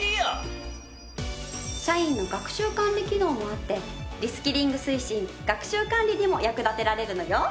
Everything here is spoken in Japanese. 社員の学習管理機能もあってリスキリング推進学習管理にも役立てられるのよ。